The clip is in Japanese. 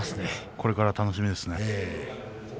これから楽しみですね。